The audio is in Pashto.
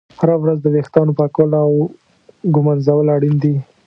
هره ورځ د ویښتانو پاکول او ږمنځول اړین دي.